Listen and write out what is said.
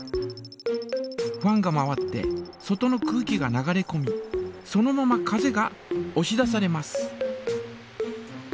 ファンが回って外の空気が流れこみそのまま風がおし出されます。